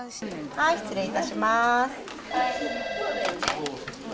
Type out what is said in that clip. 失礼いたします。